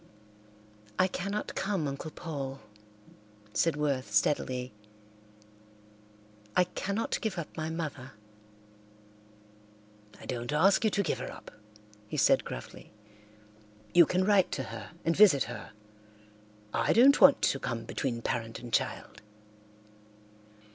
"I cannot come, Uncle Paul," said Worth steadily. "I cannot give up my mother." "I don't ask you to give her up," he said gruffly. "You can write to her and visit her. I don't want to come between parent and child."